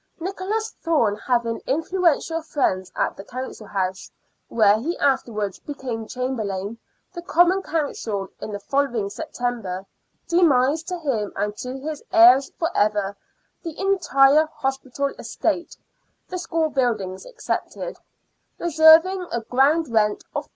Nicholas Thorne having influential friends at the Council House, where he afterwards became Chamberlain, the Common Council, in the following September, demised to him and to his " heirs for ever " the entire hospital estate (the school buildings excepted) , reserving a ground rent of £30.